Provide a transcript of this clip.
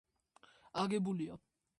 აგებულია გრანიტებითა და გრანოდიორიტებით.